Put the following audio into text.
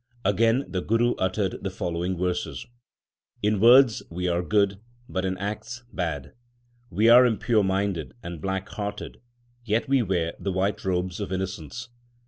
1 Again the Guru uttered the following verses : In words we are good, but in acts bad. We are impure minded and black hearted, yet we wear the white robes of innocence.